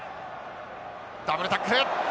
ダブルタックル！